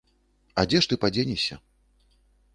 А дзе ж ты падзенешся?